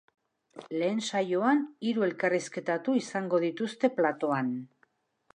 Lehen saioan, hiru elkarrizketatu izango dituzte platoan.